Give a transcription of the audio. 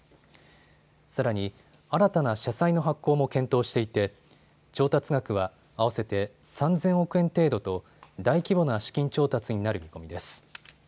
さらに新たな社債の発行も検討していて調達額は合わせて３０００億円程度と大規模な資金調達になる見込みです。